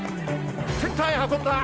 センターへ運んだ。